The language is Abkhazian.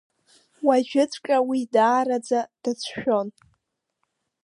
Уажәыҵәҟьа уи даараӡа дацәшәон.